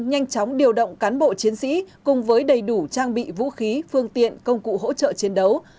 nhanh chóng điều động cán bộ chiến sĩ cùng với đầy đủ trang bị vũ khí phương tiện công cụ hỗ trợ chiến đấu